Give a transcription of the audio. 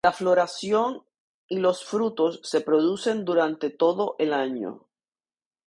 La floración y los frutos se producen durante todo el año.